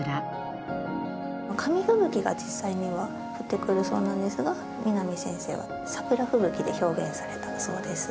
紙吹雪が実際には降ってくるそうなんですが南先生は桜吹雪で表現されたそうです。